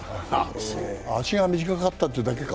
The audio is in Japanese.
足が短かったというだけか。